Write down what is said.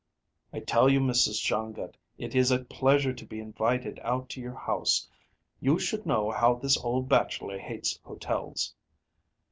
"I tell you, Mrs. Shongut, it is a pleasure to be invited out to your house. You should know how this old bachelor hates hotels."